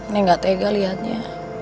neng gak tega liatnya